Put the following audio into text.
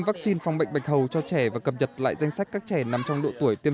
vaccine phòng bệnh bạch hầu cho trẻ và cập nhật lại danh sách các trẻ nằm trong độ tuổi tiêm